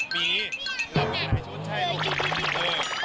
มีเหรอ